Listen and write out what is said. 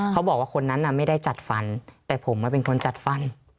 เขาบอกว่าคนนั้นไม่ได้จัดฟันแต่ผมเป็นคนจัดฟัน